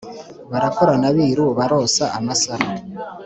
barakorana abiru barosa amasaro